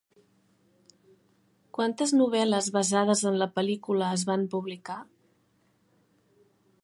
Quantes novel·les basades en la pel·lícula es van publicar?